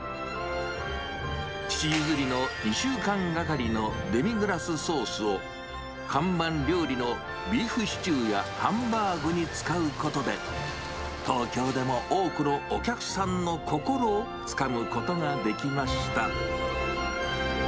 父譲りの２週間がかりのデミグラスソースを、看板料理のビーフシチューやハンバーグに使うことで、東京でも多くのお客さんの心をつかむことができました。